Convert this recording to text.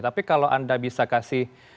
tapi kalau anda bisa kasih